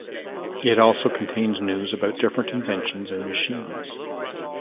It also contains news about different inventions and machines.